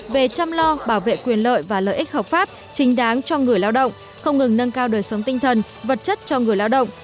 về chăm lo bảo vệ quyền lợi và lợi ích hợp pháp chính đáng cho người lao động không ngừng nâng cao đời sống tinh thần vật chất cho người lao động